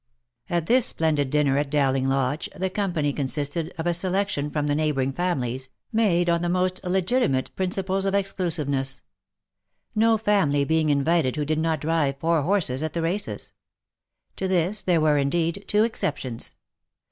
At this splendid dinner at Dowling Lodge, the company consisted of a selection from the neighbouring families, made on the most le gitimate principles of exclusiveness ; no family being invited who did not drive four horses at the races. To this there were indeed two exceptions.